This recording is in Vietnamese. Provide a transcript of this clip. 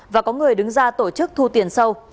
và có người đứng ra tổ chức thu tiền sâu